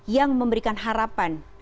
yang memberikan harapan